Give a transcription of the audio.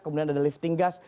kemudian ada lifting gas